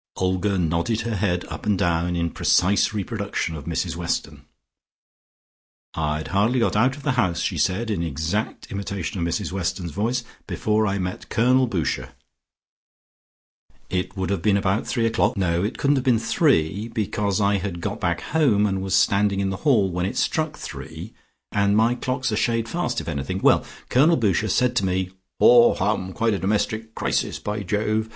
Olga nodded her head up and down in precise reproduction of Mrs Weston. "I'd hardly got out of the house," she said in exact imitation of Mrs Weston's voice, "before I met Colonel Boucher. It would have been about three o'clock no it couldn't have been three, because I had got back home and was standing in the hall when it struck three, and my clock's a shade fast if anything. Well; Colonel Boucher said to me, 'Haw, hum, quite a domestic crisis, by Jove.'